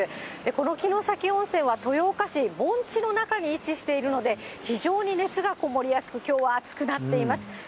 この城崎温泉は豊岡市盆地の中に位置しているので、非常に熱がこもりやすく、きょうは暑くなっています。